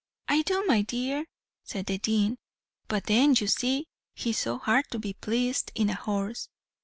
"'I do, my dear,' said the dean. 'But then you see he is so hard to be pleased in a horse.